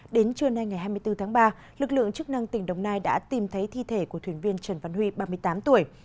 đến trưa nay ngày hai mươi bốn tháng ba lực lượng chức năng tỉnh đồng nai đã tìm thấy thi thể của thuyền viên trần văn huy ba mươi tám tuổi